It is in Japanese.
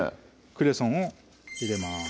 クレソンを入れます